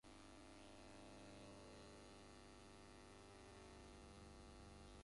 It was designed by Richard Lewis Brown, Jacksonville's first known black architect.